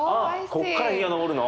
ここから日が昇るの？